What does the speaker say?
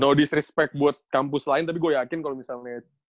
no disrespect buat kampus lain tapi gue yakin kalo misalnya